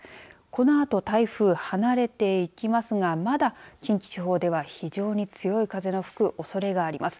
このあと台風、離れていきますがまだ近畿地方では非常に強い風の吹くおそれがあります。